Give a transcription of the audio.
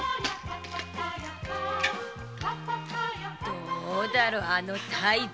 どうだろうあの態度。